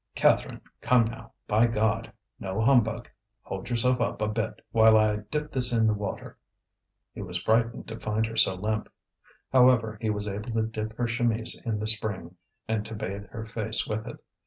"Catherine, come now, by God! no humbug. Hold yourself up a bit while I dip this in the water." He was frightened to find her so limp. However, he was able to dip her chemise in the spring, and to bathe her face with it.